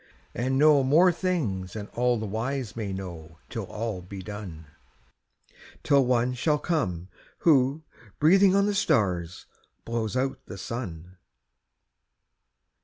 And know more things than all the wise may know Till all be done; Till One shall come who, breathing on the stars, Blows out the sun.